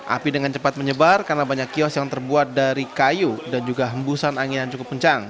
api dengan cepat menyebar karena banyak kios yang terbuat dari kayu dan juga hembusan angin yang cukup kencang